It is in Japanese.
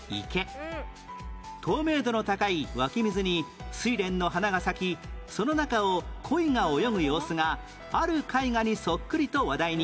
透明度の高い湧き水に睡蓮の花が咲きその中を鯉が泳ぐ様子がある絵画にそっくりと話題に